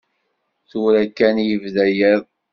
Tura kan i yebda yiḍ.